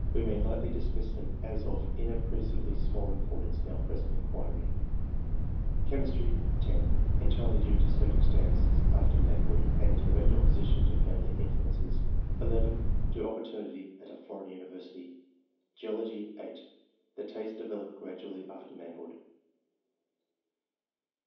We may lightly dismiss them as of inappreciably small importance in our present inquiry. Chemistry.. — (10) Entirely due to circum 222 ENGLISH MEN OF SCIENCE. [chap. stances after manhood, and in direct opposition to family influences. (11) To opportunity at [a foreign university]. Geology. — (8) The tastes developed gradually after manhood.